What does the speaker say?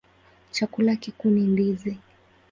Chakula kikuu ni ndizi.